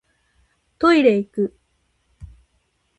トイレいく